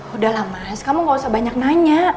udah lah mas kamu gak usah banyak nanya